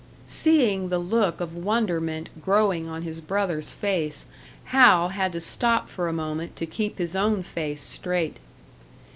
Seeing the look of wonderment growing on his brother's face, Hal had to stop for a moment to keep his own face straight.